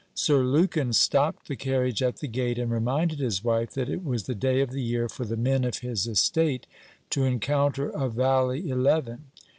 Sir Lukin stopped the carriage at the gate, and reminded his wife that it was the day of the year for the men of his estate to encounter a valley Eleven.